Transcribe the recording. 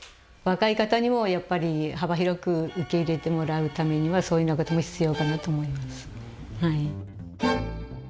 若い方にもやっぱり幅広く受け入れてもらうためにはそういうような事も必要かなと思います。